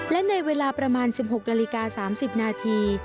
และในเวลาประมาณ๑๖นาฬิกา๓๐นาที